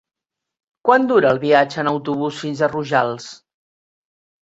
Quant dura el viatge en autobús fins a Rojals?